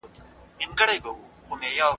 که مجازي زده کړه وي، د ښوونځي نشتون ستونزه کمېږي.